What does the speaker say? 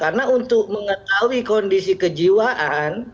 karena untuk mengetahui kondisi klien